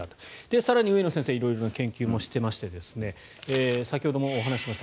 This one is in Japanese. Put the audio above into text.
更に上野先生は色々な研究をしてまして先ほどもお話ししました